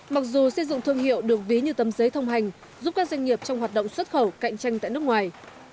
mặc dù xây dựng thương hiệu được ví như tấm giấy thông hành giúp các doanh nghiệp trong hoạt động xuất khẩu cạnh tranh tại nước ngoài